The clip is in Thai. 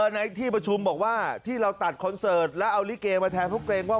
ในที่ประชุมบอกว่าที่เราตัดคอนเสิร์ตแล้วเอาลิเกมาแทนเพราะเกรงว่า